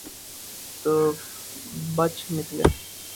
تو بچ نکلے۔